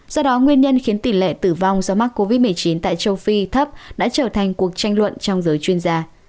do đó nguyên nhân khiến tỷ lệ tử vong do mắc covid một mươi chín tại châu phi thấp đã trở thành cuộc tranh luận trong giới chuyên gia